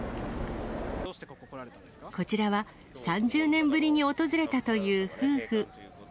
こちらは、３０年ぶりに訪れたという夫婦。